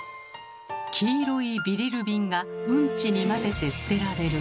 黄色いビリルビンがうんちに混ぜて捨てられる。